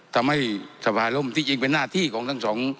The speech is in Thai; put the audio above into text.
ทำให้สภาร่มที่จริงเป็นหน้าที่ของทั้งสอง